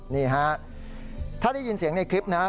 นี่ฮะถ้าได้ยินเสียงในคลิปนะครับ